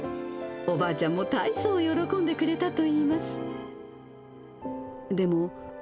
おばあちゃんもたいそう喜んでくれたといいます。